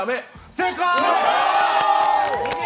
正解！